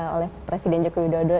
oleh presiden joko widodo